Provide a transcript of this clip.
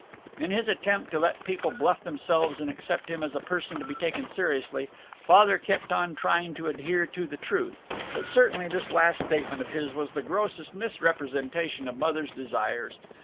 In his attempt to let people bluff themselves and accept him as a person to be taken seriously, Father kept on trying to adhere to the truth. But certainly this last statement of his was the grossest misrepresentation of Mother's desires.